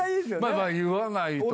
まぁ言わないと。